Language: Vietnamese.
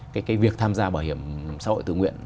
cái việc tham gia bảo hiểm xã hội tự nguyện